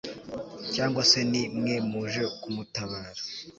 cyangwa se ni mwe muje kumutabara